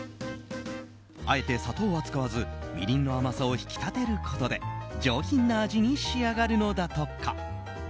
あえて砂糖は使わずみりんの甘さを引き立てることで上品な味に仕上がるのだとか。